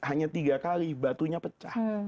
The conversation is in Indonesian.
hanya tiga kali batunya pecah